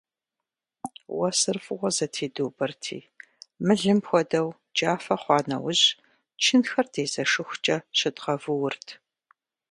Уэсыр фӀыуэ зэтедубэрти, мылым хуэдэу джафэ хъуа нэужь, чынхэр дезэшыхукӀэ щыдгъэвуурт.